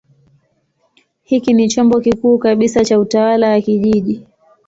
Hiki ni chombo kikuu kabisa cha utawala wa kijiji.